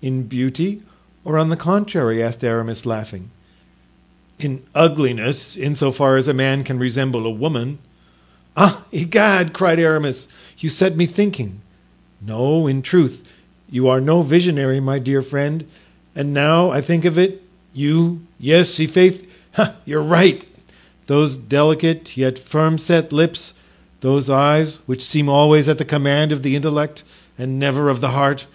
"In beauty or on the contrary?" asked Aramis, laughing. "In ugliness, in so far as a man can resemble a woman." "Ah! Egad!" cried Aramis, "you set me thinking. No, in truth you are no visionary, my dear friend, and now I think of it—you—yes, i'faith, you're right—those delicate, yet firm set lips, those eyes which seem always at the command of the intellect and never of the heart!